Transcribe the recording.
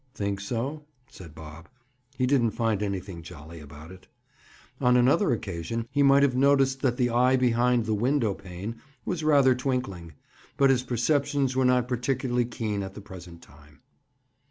"Think so?" said Bob. He didn't find anything "jolly" about it. On another occasion, he might have noticed that the eye behind the "window pane" was rather twinkling, but his perceptions were not particularly keen at the present time.